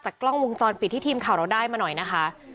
กล้องวงจรปิดที่ทีมข่าวเราได้มาหน่อยนะคะ